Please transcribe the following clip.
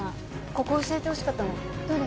ここ教えてほしかったのどれ？